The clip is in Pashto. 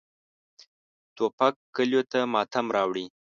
توپک کلیو ته ماتم راوړي.